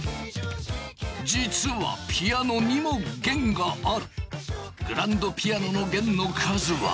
実はピアノにも弦がある。